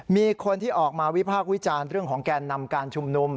มีคนที่ออกมาวิพากษ์วิจารณ์เรื่องของแกนนำการชุมนุม